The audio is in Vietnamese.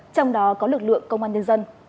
trong đó có lực lượng công an nhân dân